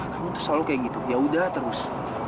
kamu tuh selalu kayak gitu ya udah terus